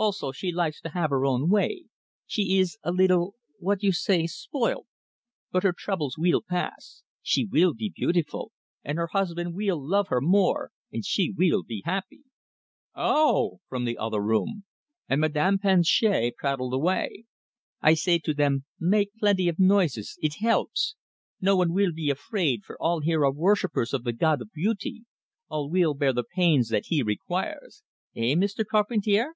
Also, she likes to have her own way, she ees a leetle what you say? spoilt. But her troubles weel pass; she weel be beautiful, and her husband weel love her more, and she weel be happy." "O o o o o o o o oh!" from the other room; and Madame Planchet prattled away: "I say to them, Make plenty of noises! Eet helps! No one weel be afraid, for all here are worshippers of the god of beautee all weel bear the pains that he requires. Eh, Meester Carpentair?"